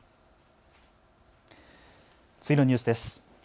次のニュースです。